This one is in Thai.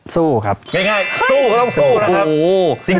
สู้ครับง่ายสู้ก็ต้องสู้นะครับ